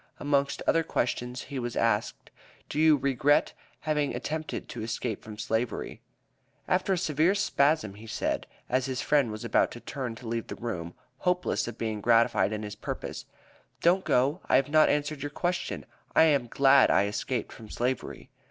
Amongst other questions, he was asked: "Do you regret having attempted to escape from slavery?" After a severe spasm he said, as his friend was about to turn to leave the room, hopeless of being gratified in his purpose: "Don't go; I have not answered your question. I am glad I escaped from slavery!"